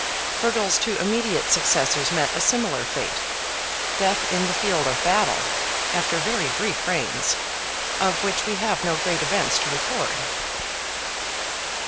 FEARGAL'S two immediate successors met a similar fate—death in the field of battle—after very brief reigns, of which we have no great events to record.